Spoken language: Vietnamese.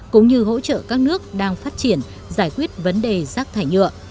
cũng như hỗ trợ các nước đang phát triển giải quyết vấn đề rác thải nhựa